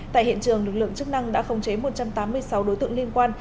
tại hiện trường lực lượng chức năng đã khống chế một trăm tám mươi sáu đối tượng liên quan